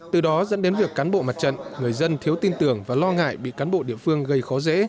từ đó dẫn đến việc cán bộ mặt trận người dân thiếu tin tưởng và lo ngại bị cán bộ địa phương gây khó dễ